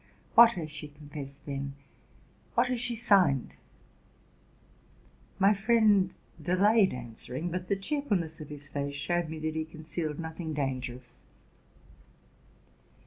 What has she confessed, then? What has she signed?'' My friend delayed answering, but the cheer fulness of his face showed me that he concealed nothing dan eerous.